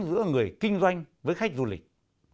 giữa người kinh doanh với khách du lịch